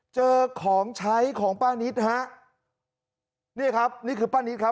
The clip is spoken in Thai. เจอของใช้ของป้านิตฮะนี่ครับนี่คือป้านิตครับ